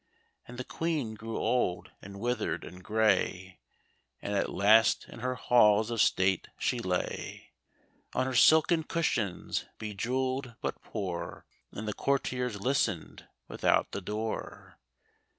And the Queen grew old, and withered, and gray. And at last in her halls of state she lay On her silken cushions, bejeweled, but poor. And the courtiers listened without the door.